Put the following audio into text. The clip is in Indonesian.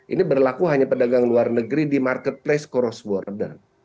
ini berlaku hanya pedagang luar negeri di marketplace cross border